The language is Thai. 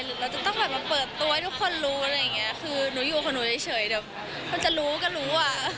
หรือเราจะต้องเปิดตัวให้ทุกคนรู้